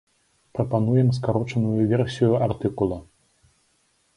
Прапануем скарочаную версію артыкула.